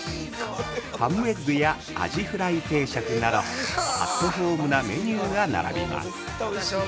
ハムエッグやアジフライ定食などアットホームなメニューが並びます。